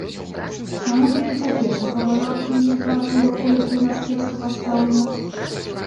Чаму толькі цяпер загаварыў аб тым, што праца ў ваколіцы ў нас кепска пастаўлена?